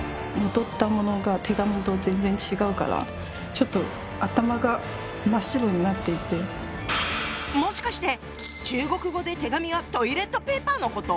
ちょっともしかして中国語で手紙はトイレットペーパーのこと？